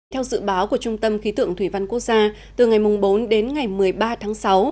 theo dự báo của trung tâm khí tượng thủy văn quốc gia từ ngày bốn đến ngày một mươi ba tháng sáu